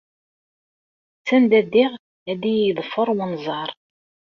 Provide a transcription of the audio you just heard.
Sanda ddiɣ, ad iyi-yeḍfer wenẓar!